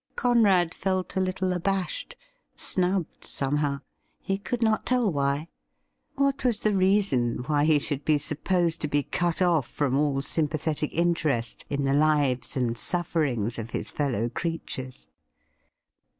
Conrad felt a little abashed — snubbed, somehow — ^he could not tell why. What was the reason why he should be supposed to be cut off from all sympathetic interest in the lives and sufferings of his fellow creatures